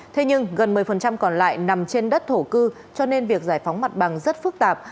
thế nhưng gần một mươi còn lại nằm trên đất thổ cư cho nên việc giải phóng mặt bằng rất phức tạp